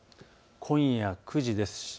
今夜９時です。